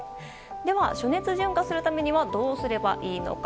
では暑熱順化するためにはどうすればいいのか。